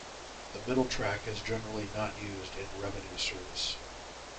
The middle track is generally not used in revenue service.